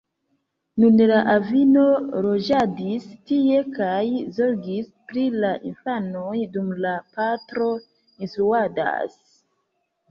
Nun la avino loĝadis tie kaj zorgis pri la infanoj, dum la patro instruadas.